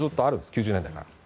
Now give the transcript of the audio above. ９０年代から。